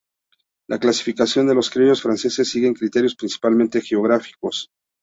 La Clasificación de los criollos franceses siguen criterios principalmente geográficos.